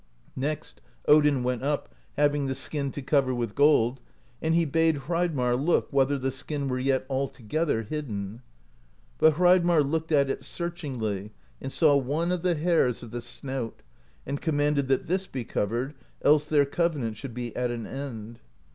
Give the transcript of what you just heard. Next Odin went up, having the skin to cover with gold, and he bade Hreidmarr look whether the skin were yet altogether hidden. But Hreidmarr looked at it searchingly, and saw one of the hairs of the snout, and commanded that this be covered, else their covenant should be at an end.